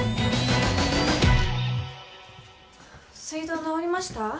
水道直りました？